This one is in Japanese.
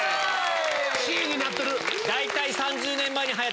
Ｃになってる。